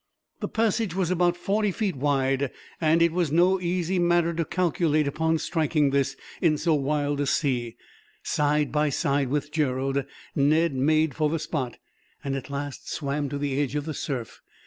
The passage was about 40 feet wide, and it was no easy matter to calculate upon striking this, in so wild a sea. Side by side with Gerald, Ned made for the spot, and at last swam to the edge of the surf.